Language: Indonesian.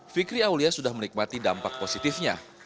fikri aulia sudah menikmati dampak positifnya